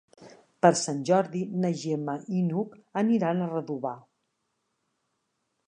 Per Sant Jordi na Gemma i n'Hug aniran a Redovà.